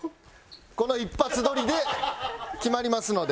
この一発録りで決まりますので。